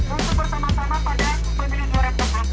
untuk bersama sama pada tahun dua ribu dua puluh empat